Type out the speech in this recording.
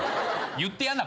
言ってやんな